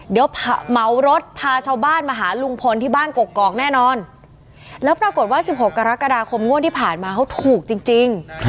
เดี๋ยวเหมารถพาชาวบ้านมาหาลุงพลที่บ้านกกอกแน่นอนแล้วปรากฏว่า๑๖กรกฎาคมงวดที่ผ่านมาเขาถูกจริง